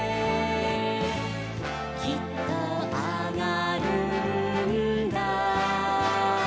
「きっとあがるんだ」